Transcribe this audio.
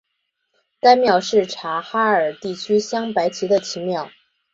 该庙是察哈尔地区镶白旗的旗庙。